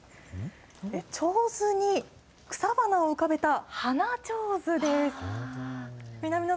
ちょうずに草花を浮かべた花ちょうずです。